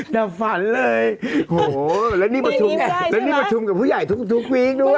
ดับฝันเลยโอ้โฮแล้วนี่ประชุมกับผู้ใหญ่ทุกวีคด้วย